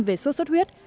về số xuất huyết